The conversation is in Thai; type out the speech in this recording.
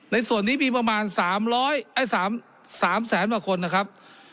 ในส่วนนี้มีประมาณ๓แสนกว่าคนนะครับ